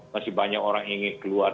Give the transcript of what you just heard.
masih banyak orang ingin keluar